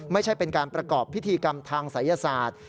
ไม่ใช่เป็นการประกอบพิธีกรรมทางศัยศาสตร์